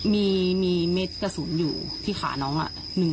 มีเม็ดกระสุนอยู่ที่ขาน้อง